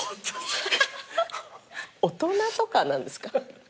大人とかなんですか？